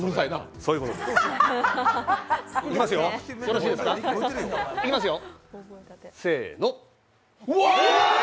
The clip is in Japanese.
そういうことですいきますよ。